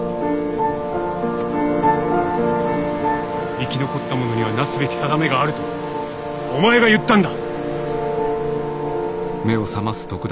生き残った者にはなすべき定めがあるとお前が言ったんだ。